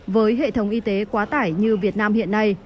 với hệ thống y tế quá tải như việt nam hiện nay